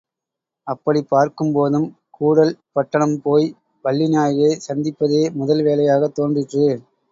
அப்படிப் பார்க்கும்போதும் கூடல் பட்டணம் போய் வள்ளிநாயகியைச் சந்திப்பதே முதல் வேலையாகத் தோன்றிற்று.